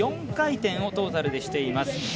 ４回転をトータルでしています。